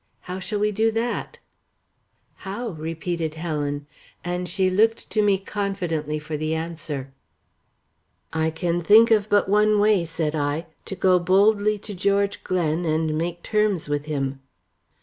How shall we do that?" "How?" repeated Helen, and she looked to me confidently for the answer. "I can think of but one way," said I, "to go boldly to George Glen and make terms with him."